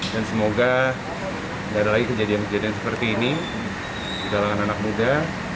dan semoga tidak ada lagi kejadian kejadian seperti ini di dalam anak anak muda